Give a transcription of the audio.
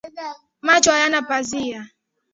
Macho hayana pazia